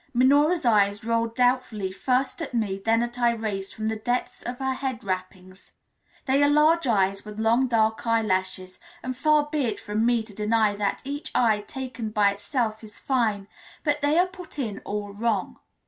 Minora's eyes rolled doubtfully first at me then at Irais from the depths of her head wrappings; they are large eyes with long dark eyelashes, and far be it from me to deny that each eye taken by itself is fine, but they are put in all wrong.